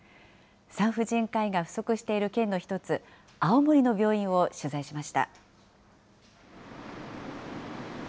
産婦人科医が不足している県の一つ、青森の病院を取材しました。